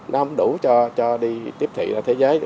nó không đủ cho đi tiếp thị ra thế giới